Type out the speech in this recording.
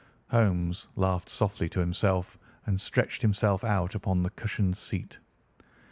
Holmes laughed softly to himself and stretched himself out upon the cushioned seat.